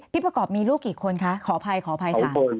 ประกอบมีลูกกี่คนคะขออภัยขออภัยค่ะ